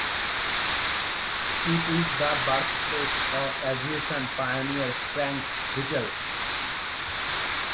It is the birthplace of aviation pioneer Frank Whittle.